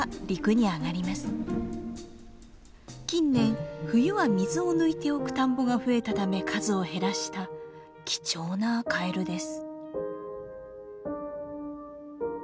近年冬は水を抜いておく田んぼが増えたため数を減らした貴重なカエルです。